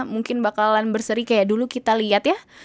mungkin bakalan berseri kayak dulu kita lihat ya